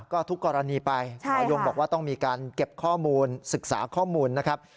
ก็ทุกกรณีไปหมอยงบอกว่าต้องมีการเก็บข้อมูลศึกษาข้อมูลนะครับ